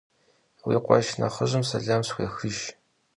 Vui khueşş nexhıjım selam sxuêxıjj.